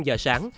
năm giờ sáng